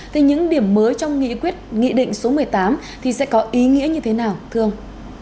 thì những điểm mới trong nghị quyết nghị định số một mươi tám thì sẽ có ý nghĩa như thế nào thưa ông